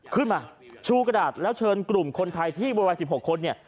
ขึ้นมาชูกระดาษแล้วเชิญกลุ่มคนไทยที่โวยวาย๑๖คนเนี่ย